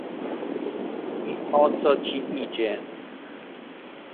"I o co ci idzie?"